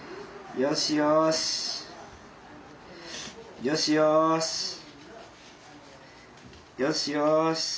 よしよし。